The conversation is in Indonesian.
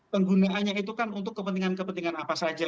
penggunaannya itu kan untuk kepentingan kepentingan apa saja